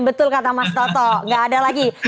betul kata mas toto gak ada lagi